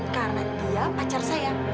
karena dia pacar saya